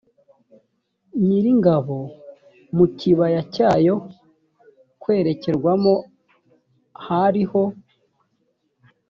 nyiringabo mu kibaya cyo kwerekerwamo hariho